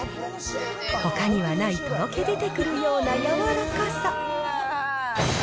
ほかにはないとろけ出てくるようなやわらかさ。